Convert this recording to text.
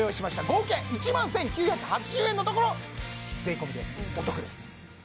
合計１１９８０円のところ税込でお得ですお！